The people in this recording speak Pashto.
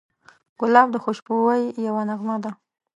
ګلاب د خوشبویۍ یوه نغمه ده.